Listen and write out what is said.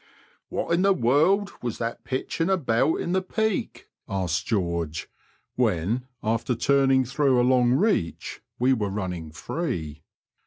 What in the world was that pitching about in the 'peak ?" asked George, when, after turning through a long reach, we were running free.